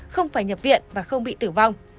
không phải nhập viện và không bị tử vong